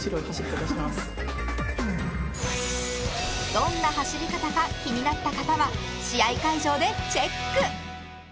［どんな走り方か気になった方は試合会場でチェック］